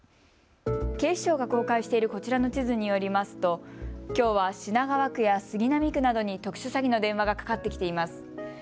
警視庁が公開しているこちらの地図によりますときょうは品川区や杉並区などに特殊詐欺の電話がかかってきています。